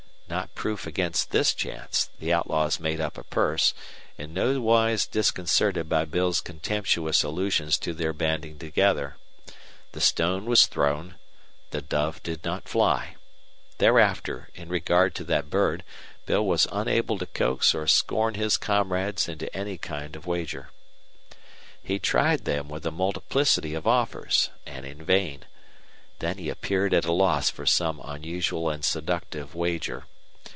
Not proof against this chance, the outlaws made up a purse, in no wise disconcerted by Bill's contemptuous allusions to their banding together. The stone was thrown. The dove did not fly. Thereafter, in regard to that bird, Bill was unable to coax or scorn his comrades into any kind of wager. He tried them with a multiplicity of offers, and in vain. Then he appeared at a loss for some unusual and seductive wager.